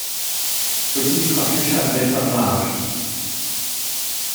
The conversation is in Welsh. Pwy sy' 'di colli llefrith ar lawr?